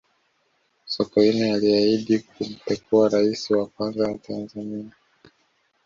sokoine aliahidi kumpekua raisi wa kwanza wa tanzania